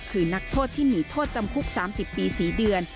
คือนักโทษที่หนีโทษจำคุก๓๐ปี๔เดือน